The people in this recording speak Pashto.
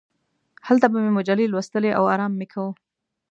هلته به مې مجلې لوستلې او ارام مې کاوه.